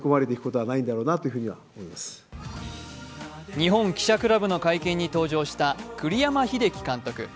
日本記者クラブの会見に登場した栗山英樹監督。